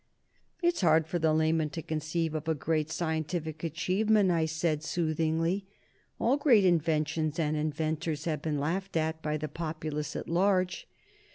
"It's hard for the layman to conceive of a great scientific achievement," I said soothingly. "All great inventions and inventors have been laughed at by the populace at large."